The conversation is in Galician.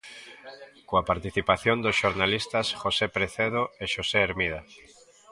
Coa participación dos xornalistas José Precedo e Xosé Hermida.